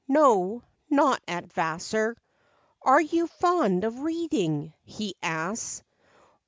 " No, not at Vassar." "Are you fond of reading?" he asks.